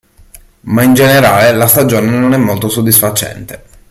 Ma in generale la stagione non è molto soddisfacente.